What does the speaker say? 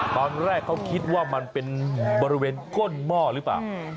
ตอนแรกเขาคิดว่ามันเป็นบริเวณก้นหม้อหรือเปล่า